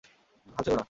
হাল ছেড়ো না।